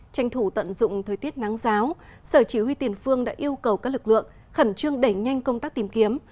tranh thủ tận dụng thời tiết nắng giáo sở chỉ huy tiền phương đã yêu cầu các lực lượng khẩn trương đẩy nhanh công tác tìm kiếm